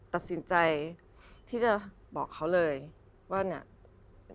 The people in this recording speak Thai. ตัดสินใจที่จะบอกเขาเลยว่าเนี่ย